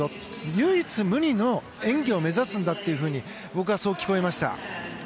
唯一無二の演技を目指すんだと僕はそう聞こえました。